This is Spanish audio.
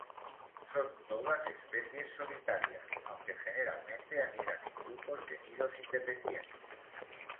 Son todas especies solitarias, aunque generalmente anidan en grupos de nidos independientes.